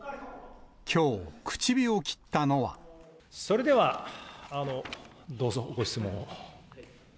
きょう、それでは、どうぞ、ご質問を。